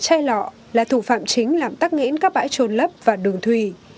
rác nhựa và chai lọc là thủ phạm chính làm tắc nghẽn các bãi trồn lấp và đường thủy